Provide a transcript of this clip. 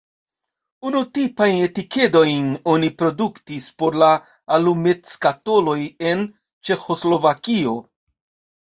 Unutipajn etikedojn oni produktis por la alumetskatoloj en Ĉeĥoslovakio.